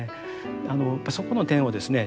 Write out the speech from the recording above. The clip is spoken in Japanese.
そこの点をですね